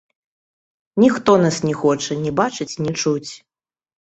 Ніхто нас не хоча ні бачыць, ні чуць.